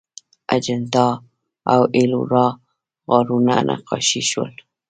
اجنتا او ایلورا غارونه نقاشي شول.